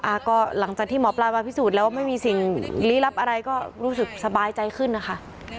อ่าก็หลังจากที่หมอปลามาพิสูจน์แล้วไม่มีสิ่งลี้ลับอะไรก็รู้สึกสบายใจขึ้นนะคะ